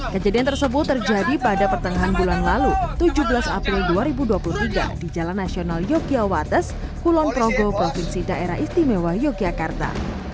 kejadian tersebut terjadi pada pertengahan bulan lalu tujuh belas april dua ribu dua puluh tiga di jalan nasional yogyakarta wates kulon progo provinsi daerah istimewa yogyakarta